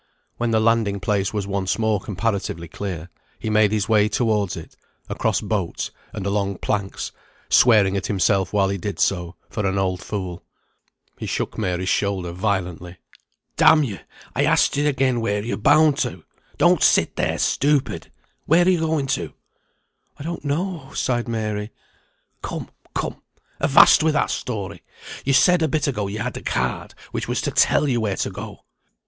When the landing place was once more comparatively clear, he made his way towards it, across boats, and along planks, swearing at himself while he did so, for an old fool. He shook Mary's shoulder violently. "D you, I ask you again where you're bound to? Don't sit there, stupid. Where are you going to?" "I don't know," sighed Mary. "Come, come; avast with that story. You said a bit ago you'd a card, which was to tell you where to go."